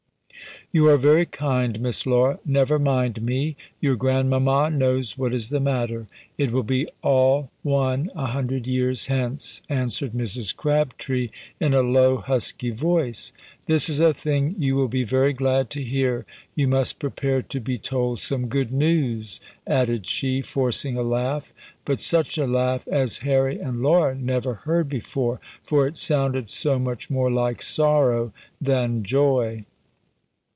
"You are very kind, Miss Laura! never mind me! Your grandmama knows what is the matter. It will be all one a hundred years hence," answered Mrs. Crabtree, in a low husky voice. "This is a thing you will be very glad to hear! you must prepare to be told some good news!" added she, forcing a laugh, but such a laugh as Harry and Laura never heard before, for it sounded so much more like sorrow than joy.